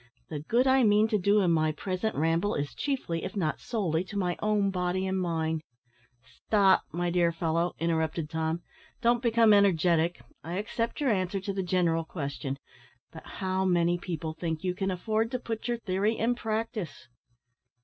The good I mean to do in my present ramble is chiefly, if not solely, to my own body and mind " "Stop, my dear fellow," interrupted Tom, "don't become energetic! I accept your answer to the general question; but how many people, think you, can afford to put your theory in practice?"